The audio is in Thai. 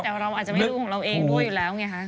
แต่เราอาจจะไม่รู้ของเราเองด้วยอยู่แล้วไงฮะ